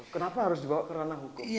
kenapa harus dibawa ke ranah hukum